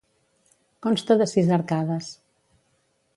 Consta de sis arcades.